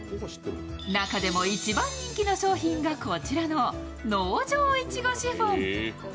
中でも一番人気の商品がこちらの農場いちごシフォン。